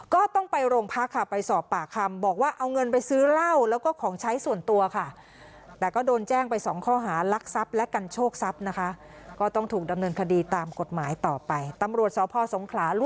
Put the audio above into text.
ก็ต้องไปโรงพักษ์ค่ะไปสอบปากคำ